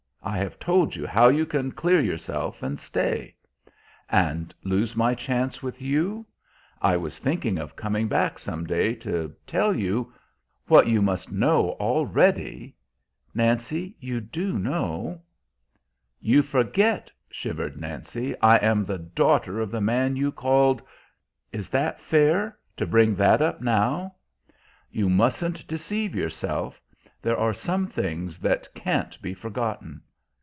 I have told you how you can clear yourself and stay." "And lose my chance with you! I was thinking of coming back, some day, to tell you what you must know already. Nancy, you do know!" "You forget," shivered Nancy; "I am the daughter of the man you called" "Is that fair to bring that up now?" "You mustn't deceive yourself. There are some things that can't be forgotten."